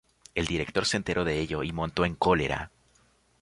El director se enteró de ello y montó en cólera.